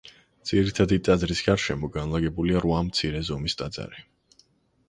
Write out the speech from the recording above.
ძირითადი ტაძრის გარშემო განლაგებულია რვა მცირე ზომის ტაძარი.